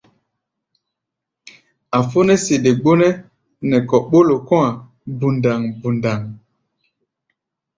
A̧ fó nɛ́ sede gbónɛ́ nɛ kɔ̧ ɓólo kɔ̧́-a̧ bundaŋ-bundaŋ.